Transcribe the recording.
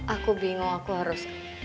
aku bingung aku harus